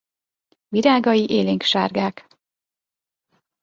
Virágai élénk sárgák.